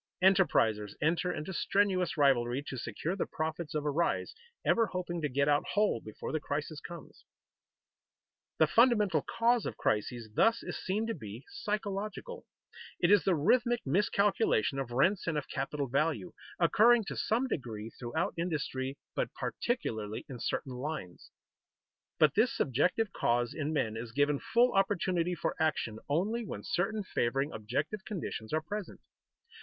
Enterprisers enter into strenuous rivalry to secure the profits of a rise, ever hoping to get out whole before the crisis comes. [Sidenote: Psychological nature and objective conditions of crises] The fundamental cause of crises thus is seen to be psychological; it is the rhythmic miscalculation of rents and of capital value, occurring to some degree throughout industry, but particularly in certain lines. But this subjective cause in men is given full opportunity for action only when certain favoring objective conditions are present.